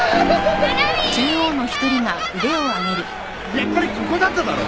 やっぱりここだっただろ！